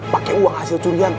pakai uang hasil curian